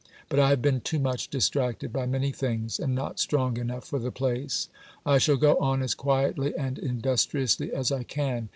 But I have been too much distracted by many things; and not strong enough for the place. I shall go on as quietly and industriously as I can.